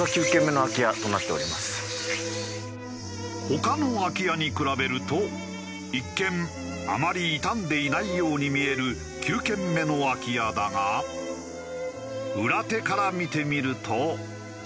他の空き家に比べると一見あまり傷んでいないように見える９軒目の空き家だが裏手から見てみると。